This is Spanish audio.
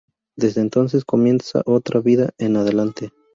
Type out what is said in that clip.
Desde entonces comienza otra vida en adelante.